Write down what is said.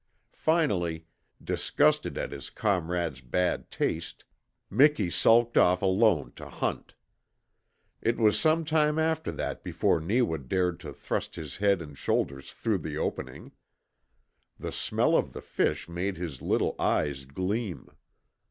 Finally, disgusted at his comrade's bad taste, Miki sulked off alone to hunt. It was some time after that before Neewa dared to thrust his head and shoulders through the opening. The smell of the fish made his little eyes gleam.